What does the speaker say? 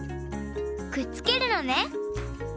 くっつけるのね。